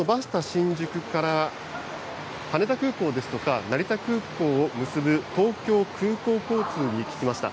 新宿から羽田空港ですとか、成田空港を結ぶ、東京空港交通に聞きました。